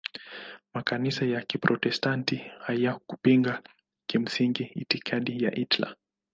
Makanisa ya Kiprotestanti hayakupinga kimsingi itikadi ya Hitler.